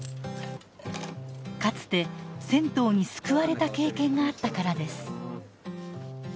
かつて銭湯に救われた経験があったからです。